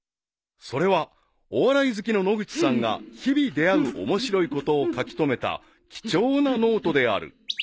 ［それはお笑い好きの野口さんが日々出合う面白いことを書き留めた貴重なノートである］